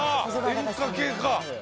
演歌系か。